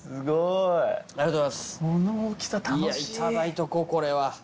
いや頂いとこうこれは。